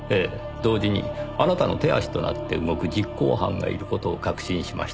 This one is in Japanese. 同時にあなたの手足となって動く実行犯がいる事を確信しました。